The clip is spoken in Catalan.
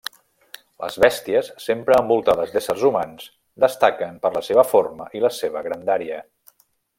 Les bèsties, sempre envoltades d'éssers humans, destaquen per la seva forma i la seva grandària.